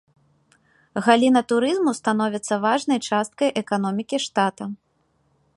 Галіна турызму становіцца важнай часткай эканомікі штата.